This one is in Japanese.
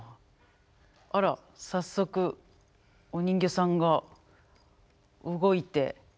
あら早速お人形さんが動いて。